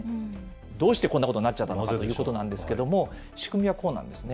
どうしてこんなことになっちゃったのかということなんですけれども、仕組みはこうなんですね。